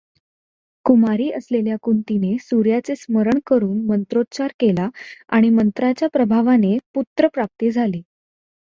कुमारी असलेल्या कुंतीने सूर्याचे स्मरण करून मंत्रोच्चार केला आणि मंत्राच्या प्रभावाने पुत्रप्राप्ती झाली.